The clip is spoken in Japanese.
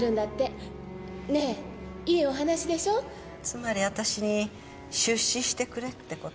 つまり私に出資してくれって事？